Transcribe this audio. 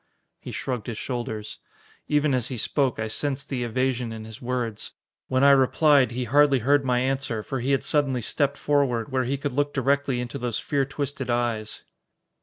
He shrugged his shoulders. Even as he spoke, I sensed the evasion in his words. When I replied, he hardly heard my answer, for he had suddenly stepped forward, where he could look directly into those fear twisted eyes.